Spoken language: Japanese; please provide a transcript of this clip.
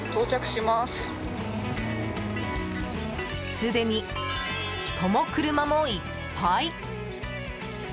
すでに、人も車もいっぱい。